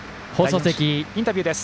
インタビューです。